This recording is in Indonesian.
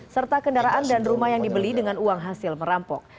serta kendaraan dan rumah yang dibeli dengan uang hasil merampok